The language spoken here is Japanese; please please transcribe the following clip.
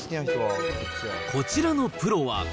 こちらのプロは。